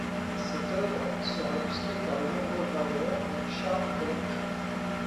Cette œuvre sera illustrée par de nombreux graveurs dont Charles-Nicolas Cochin.